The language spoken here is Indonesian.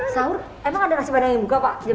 sahur emang ada nasi pandang yang buka pak